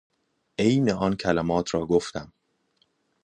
عین آن کلمات را گفتم.